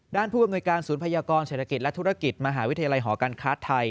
ผู้อำนวยการศูนย์พยากรเศรษฐกิจและธุรกิจมหาวิทยาลัยหอการค้าไทย